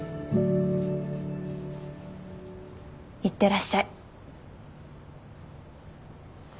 いってらっしゃい。